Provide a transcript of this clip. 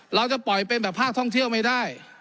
เราจะปล่อยเป็นแบบภาคท่องเที่ยวไม่ได้